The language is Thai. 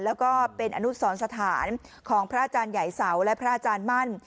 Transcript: แล้วก็เป็นอนุสรสถานของพระอาจารย์ใหญ่เสาและพระอาจารย์มั่น